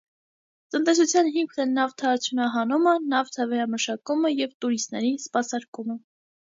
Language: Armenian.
Տնտեսության հիմքն են նավթարդյունահանումը, նավթավերամշակումը և տուրիստների սպասարկումը։